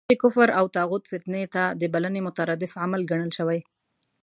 دا د کفر او طاغوت فتنې ته د بلنې مترادف عمل ګڼل شوی.